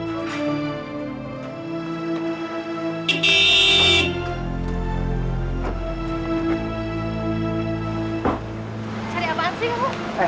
cari apaan sih kamu